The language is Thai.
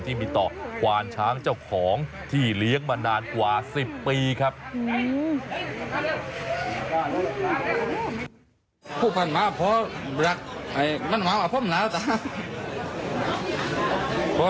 ที่มีต่อควานช้างเจ้าของที่เลี้ยงมานานกว่า๑๐ปีครับ